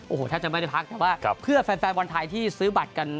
โอ้โหแทบจะไม่ได้พักแต่ว่าเพื่อแฟนบอลไทยที่ซื้อบัตรกัน